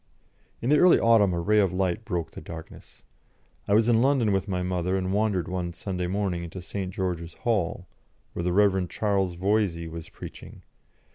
In the early autumn a ray of light broke the darkness. I was in London with my mother, and wandered one Sunday morning into St. George's Hall, where the Rev. Charles Voysey was preaching.